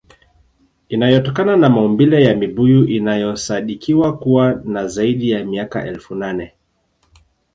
Inayotokana na maumbile ya mibuyu inayosadikiwa kuwa na zaidi ya miaka elfu nane